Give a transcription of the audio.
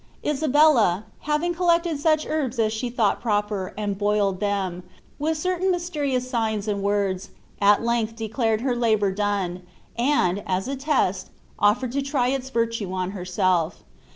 Isabella, having collected such herbs as she thought proper, and boiled them, with certain mysterious signs and words, at length declared her labor done, and, as a test, offered to try its virtue on herself.